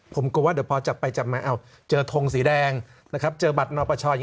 ผมกลัวว่าพอจะไปจับมาเจอทงสีแดงเจอบัตรน้อปช่วย